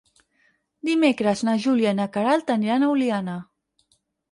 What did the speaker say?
Dimecres na Júlia i na Queralt aniran a Oliana.